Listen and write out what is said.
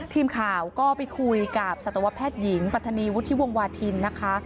ทีมข่าวก็ไปคุยกับสัตวแพทย์หญิงปัฒนีวุฒิวงวาทินนะคะ